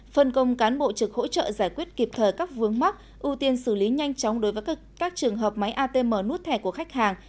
phân công cán bộ trực hỗ trợ giải quyết kịp thời các vướng mắc ưu tiên xử lý nhanh chóng đối với các trường hợp máy atm nút thẻ của khách hàng